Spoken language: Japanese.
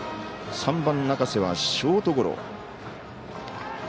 ３番、中瀬はショートゴロ。